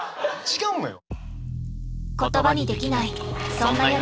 違うのよ！